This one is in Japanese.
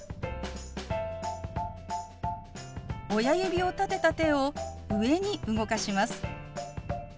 親指を立てた手を上に動かします。